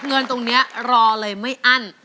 เงินตรงนี้รอเลยไม่อั้น